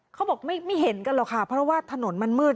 เขาบอกไม่เห็นกันหรอกค่ะเพราะว่าถนนมันมืด